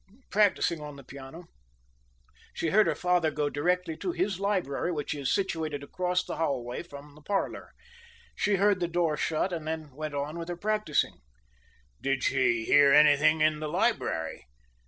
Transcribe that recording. "Practicing on the piano. She heard her father go directly to his library, which is situated across the hallway from the parlor. She heard the door shut, and then went on with her practicing." "Did she hear anything in the library?"